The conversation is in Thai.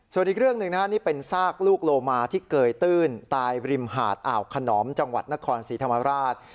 ส่วนอีกเรื่องหนึ่งนะฮะนี่เป็นซากลูกโลมาที่เกยตื้นตายริมหาดอ่าวขนอมจังหวัดนครศรีธรรมราช